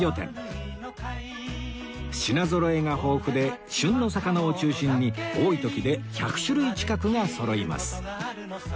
品ぞろえが豊富で旬の魚を中心に多い時で１００種類近くがそろいます